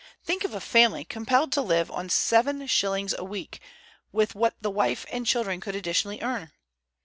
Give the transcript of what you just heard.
Think of a family compelled to live on seven shillings a week, with what the wife and children could additionally earn!